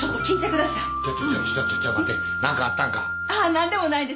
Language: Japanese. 何でもないです。